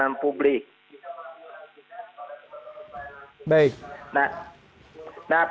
untuk memperbaiki pelayanan publik